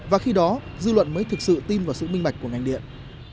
và khi đó dư luận mới thực sự tin vào sự minh mạch của ngành điện